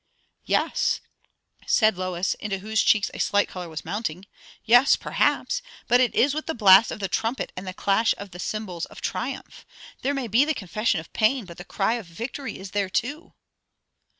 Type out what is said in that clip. "Yes," said Lois, into whose cheeks a slight colour was mounting; "yes, perhaps; but it is with the blast of the trumpet and the clash of the cymbals of triumph. There may be the confession of pain, but the cry of victory is there too!"